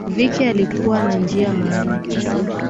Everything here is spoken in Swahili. Vicki alikuwa na njia maalum